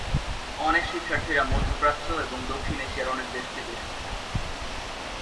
অনেক শিক্ষার্থীরা মধ্যপ্রাচ্য এবং দক্ষিণ এশিয়ার অনেক দেশ থেকে এসেছে।